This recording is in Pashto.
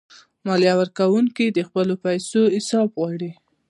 مالیه ورکونکي د خپلو پیسو حساب غواړي.